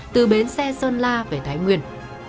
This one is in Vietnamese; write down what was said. từ bến xe sơn la về thái nguyên